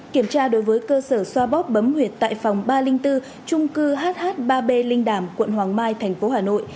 kiểm tra đối với cơ sở xoa bóp bấm huyệt tại phòng ba trăm linh bốn trung cư hh ba b linh đàm quận hoàng mai thành phố hà nội